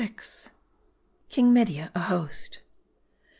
KING MEDIA A HOST.